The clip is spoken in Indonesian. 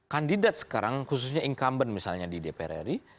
kandidat sekarang khususnya incumbent misalnya di dpr ri